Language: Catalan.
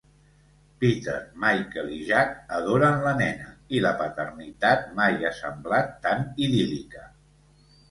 Peter, Michael, i Jack adoren la nena i la paternitat mai ha semblat tan idíl·lica.